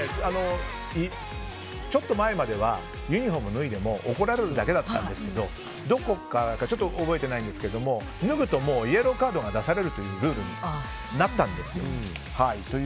ちょっと前まではユニホームを脱いでも怒られるだけだったんですけどいつだか、ちょっと覚えていませんが脱ぐとイエローカードが出されるというルールになったんです。